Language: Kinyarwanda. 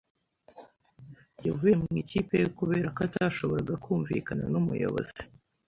Yavuye mu ikipe ye kubera ko atashoboraga kumvikana n’umuyobozi.